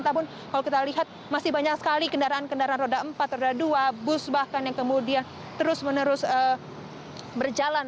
namun kalau kita lihat masih banyak sekali kendaraan kendaraan roda empat roda dua bus bahkan yang kemudian terus menerus berjalan